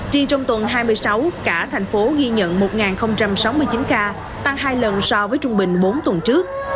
tri trong tuần hai mươi sáu cả thành phố ghi nhận một sáu mươi chín ca tăng hai lần so với trung bình bốn tuần trước